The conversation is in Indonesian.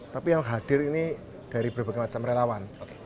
tapi yang hadir ini dari berbagai macam relawan